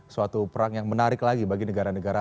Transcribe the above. suatu perang yang menarik lagi bagi negara negara